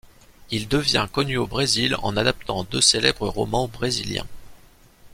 Il devient connu au Brésil en adaptant deux célèbres romans brésiliens.